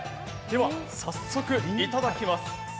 早速いただきます。